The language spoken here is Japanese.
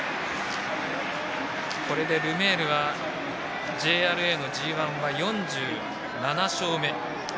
これでルメールはＪＲＡのＧＩは４７勝目。